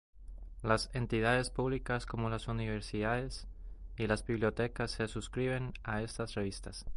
Las entidades públicas como las universidades y las bibliotecas se suscriben a estas revistas.